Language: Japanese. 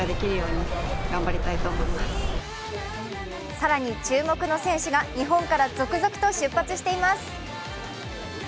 更に注目の選手が日本から続々と出発しています。